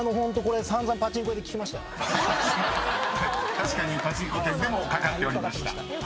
［確かにパチンコ店でもかかっておりました］